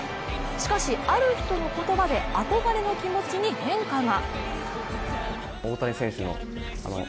しかし、ある人の言葉で憧れの気持ちに変化が。